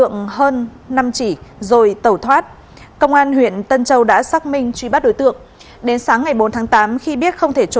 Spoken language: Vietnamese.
nó là thằng bạn thân duy nhất với nhau